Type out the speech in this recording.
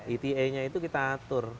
eta nya itu kita atur